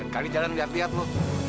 kami jangan lihat lihat lu